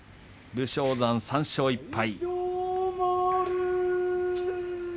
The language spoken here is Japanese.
武将山、３勝１敗。